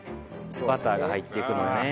バターが入っていくのでね。